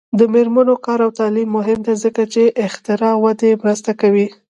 د میرمنو کار او تعلیم مهم دی ځکه چې اختراع ودې مرسته کوي.